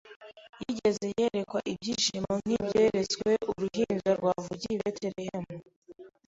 wigeze yerekwa ibyishimo nk’ibyeretswe Uruhinja rwavukiye i Betelehemu.